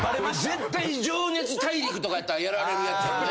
絶対『情熱大陸』とかやったらやられるやつよね。